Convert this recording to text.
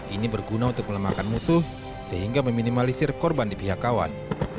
ini berguna untuk melemahkan musuh sehingga meminimalisir korban di pihak kawan